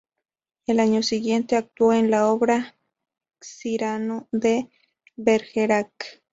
El año siguiente actuó en la obra "Cyrano de Bergerac".